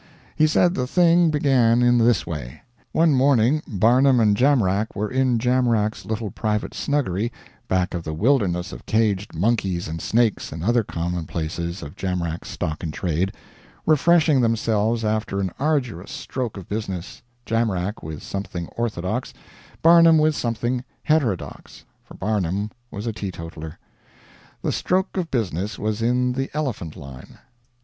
He said the thing began in this way. One morning Barnum and Jamrach were in Jamrach's little private snuggery back of the wilderness of caged monkeys and snakes and other commonplaces of Jamrach's stock in trade, refreshing themselves after an arduous stroke of business, Jamrach with something orthodox, Barnum with something heterodox for Barnum was a teetotaler. The stroke of business was in the elephant line.